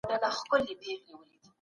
د سرچینو کارول باید په مسؤلانه توګه وي.